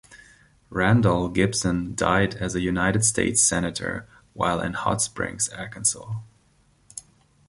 Randall Gibson died as a United States senator while in Hot Springs, Arkansas.